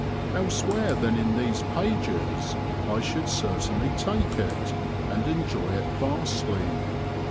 Elsewhere than in these pages I should certainly take it, and enjoy it vastly.